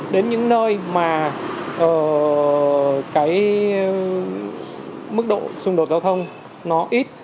đến những nơi mà mức độ xung đột giao thông ít